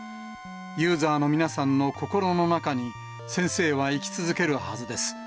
ユーザーの皆さんの心の中に、先生は生き続けるはずです。